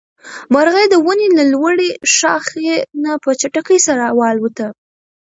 مرغۍ د ونې له لوړې ښاخۍ نه په چټکۍ سره والوته.